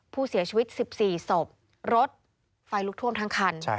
ผู้เสียชีวิต๑๔ศพรถไฟลุกท่วมทั้งคัน